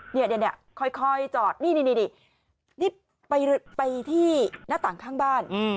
เนี่ยค่อยจอดนี่ไปที่หน้าต่างข้างบ้าน